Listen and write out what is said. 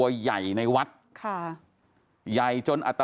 เมื่อยครับเมื่อยครับ